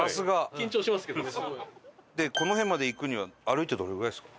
この辺まで行くには歩いてどれぐらいですか？